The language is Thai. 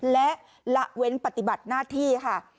และละเว้นปฏิบัติหน้าที่ค่ะ